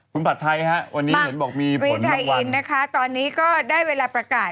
ก็อย่างนี้ไงน่ารักเนอะ